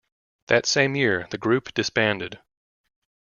That same year, the group disbanded.